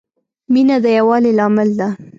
مینه د یووالي لامل ده.